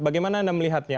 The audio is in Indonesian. bagaimana anda melihatnya